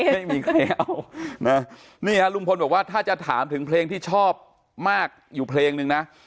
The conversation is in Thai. ไม่มีใครเอานะนี่ฮะลุงพลบอกว่าถ้าจะถามถึงเพลงที่ชอบมากอยู่เพลงนึงนะ